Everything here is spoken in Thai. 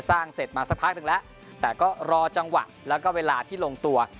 เสร็จมาสักพักหนึ่งแล้วแต่ก็รอจังหวะแล้วก็เวลาที่ลงตัว